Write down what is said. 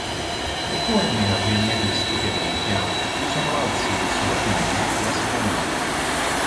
Le forme avveniristiche dell'impianto gli sono valsi il soprannome di "astronave".